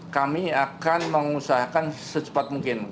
kami akan mengusahakan secepat mungkin